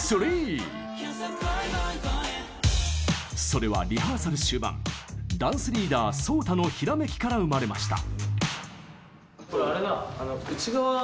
それは、リハーサル終盤ダンスリーダー・ＳＯＴＡのひらめきから生まれました。